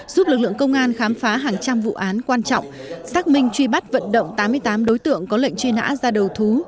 giúp lực lượng công an khám phá hàng trăm vụ án quan trọng xác minh truy bắt vận động tám mươi tám đối tượng có lệnh truy nã ra đầu thú